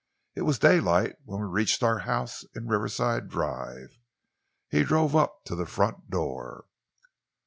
It was daylight when we reached our house in Riverside Drive. He drove up to the front door.